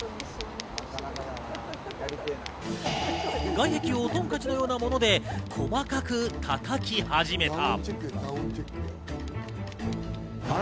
外壁をトンカチのようなもので細かく叩き始めた。